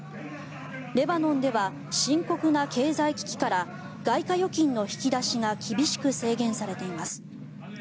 レバノンでは深刻な経済危機から外貨預金の引き出しが厳しく制限されています。